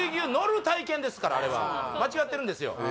あれ間違ってるんですよ